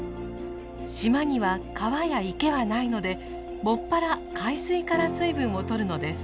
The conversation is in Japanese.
島には川や池はないのでもっぱら海水から水分をとるのです。